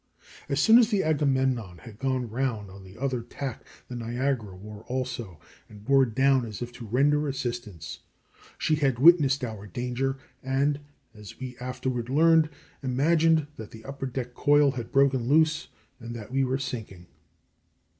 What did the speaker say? As soon as the Agamemnon had gone round on the other tack the Niagara wore also, and bore down as if to render assistance. She had witnessed our danger, and, as we afterward learned, imagined that the upper deck coil had broken loose, and that we were sinking.